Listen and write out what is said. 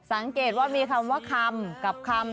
สังเกตว่ามีคำว่าคำกับคำ